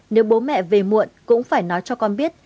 nếu bố mẹ về muộn cũng phải nói cho con biết